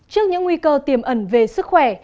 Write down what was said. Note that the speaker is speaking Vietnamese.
trước những nguy cơ tiềm ẩn về sức khỏe